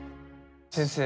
先生